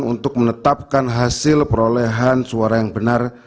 untuk menetapkan hasil perolehan suara yang benar